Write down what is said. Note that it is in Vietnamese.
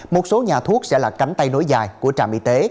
một số nhà thuốc sẽ là cánh tay nối dài của trạm y tế